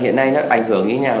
hiện nay nó ảnh hưởng như thế nào